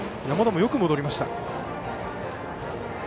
山田もよく戻りました。